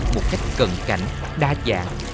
một cách cận cảnh đa dạng